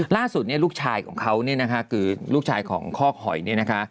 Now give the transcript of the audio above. ล่าสุดเนี่ยลูกชายของเขาเนี่ยนะคะคือลูกชายของคอกหอยเนี่ยนะคะ